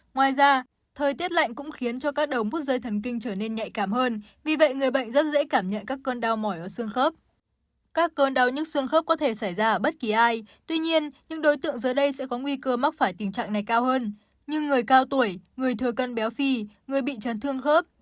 ngoài ra thời tiết lạnh cũng khiến cho các đống bút rơi thần kinh trở nên nhạy cảm hơn vì vậy người bệnh rất dễ cảm nhận các cơn đau mỏi ở xương khớp